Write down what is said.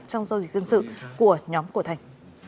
trong giao dịch dân sự của nhóm của thành